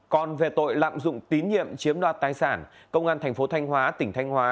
còn về tội lạm dụng tín nhiệm chiếm đoạt tài sản công an tp thanh hóa tỉnh thanh hóa